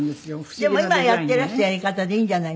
でも今やっていらしたやり方でいいんじゃないんですか。